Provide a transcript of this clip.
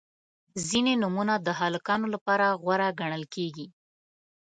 • ځینې نومونه د هلکانو لپاره غوره ګڼل کیږي.